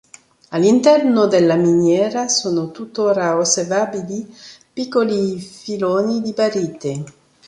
All'interno della miniera sono tuttora osservabili piccoli filoni di barite.